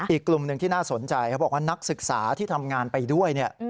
อีกกลุ่มหนึ่งที่น่าสนใจเขาบอกว่านักศึกษาที่ทำงานไปด้วยเนี่ย